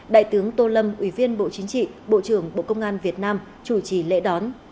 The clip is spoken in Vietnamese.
đại tướng tô lâm ủy viên bộ chính trị bộ trưởng bộ công an việt nam chủ trì lễ đón